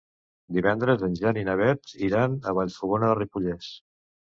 Divendres en Jan i na Beth iran a Vallfogona de Ripollès.